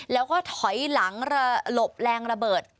แล้วก็ถอยหลังหลบแรงระเบิด